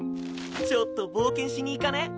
ちょっと冒険しに行かね？